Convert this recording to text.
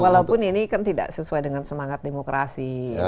walaupun ini kan tidak sesuai dengan semangat demokrasi